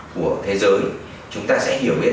của thế giới chúng ta sẽ hiểu biết